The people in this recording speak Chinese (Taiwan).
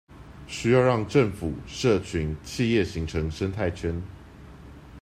需要讓政府、社群、企業形成生態圈